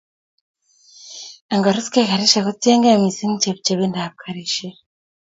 Angoruskei garisyek kotiegei missing chepchebindab garisyek.